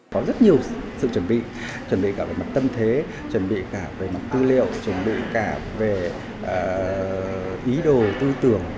có rất nhiều sự chuẩn bị chuẩn bị cả về mặt tâm thế chuẩn bị cả về mặt tư liệu chuẩn bị cả về ý đồ tư tưởng